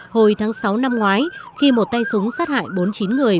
hồi tháng sáu năm ngoái khi một tay súng sát hại bốn mươi chín người